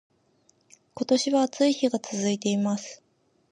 今年は暑い日が続いています